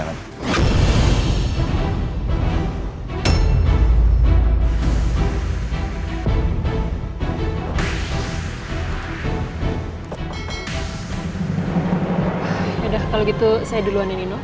yaudah kalau gitu saya duluan ini no